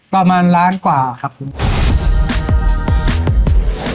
ประมาณล้านกว่าครับคุณ